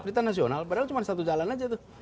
berita nasional padahal cuma satu jalan aja tuh